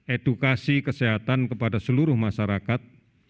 edukasi kesehatan kepada seluruh masyarakat